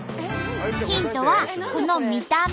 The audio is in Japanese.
ヒントはこの見た目。